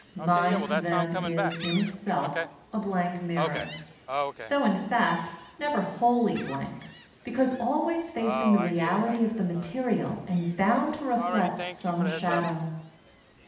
Mind to them is in itself a blank mirror, though in fact never wholly blank, because always facing the reality of the material and bound to reflect some shadow.